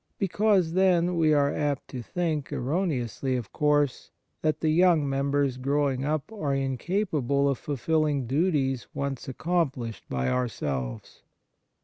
Because then we are apt to think errone ously, of course that the young members growing up are incapable of fulfilling duties once accomplished by ourselves.